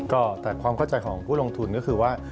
ก็แต่ความเข้าใจของผู้ลงทุนก็คือว่า